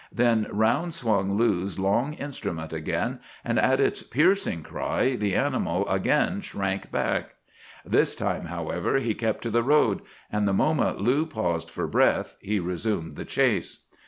"Then round swung Lou's long instrument again, and at its piercing cry the animal again shrank back. This time, however, he kept to the road, and the moment Lou paused for breath he resumed the chase.